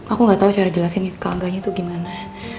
aku gak tahu cara jelasin keangganya itu gimana